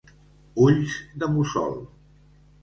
Ulls de mussol.